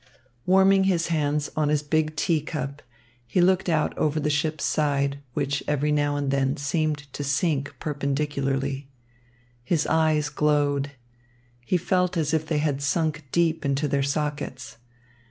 Warming his hands on his big tea cup, he looked out over the ship's side, which every now and then seemed to sink perpendicularly. His eyes glowed. He felt as if they had sunk deep into their sockets.